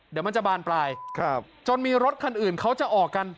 เดี๋ยวมันจะบานปลายครับจนมีรถคันอื่นเขาจะออกกัน